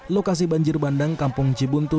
lokasi banjir bandang kampung cibuntu